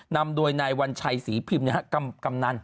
นำโดยนายวัญชัยศรีพิมพ์